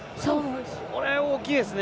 これは大きいですね。